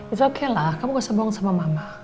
it's okelah kamu gak usah bohong sama mama